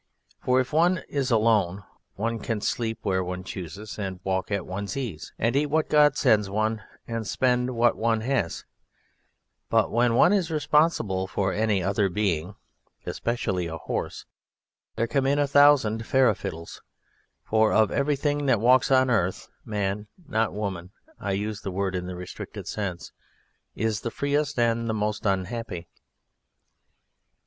For if one is alone one can sleep where one chooses and walk at one's ease, and eat what God sends one and spend what one has; but when one is responsible for any other being (especially a horse) there come in a thousand farradiddles, for of everything that walks on earth, man (not woman I use the word in the restricted sense) is the freest and the most unhappy.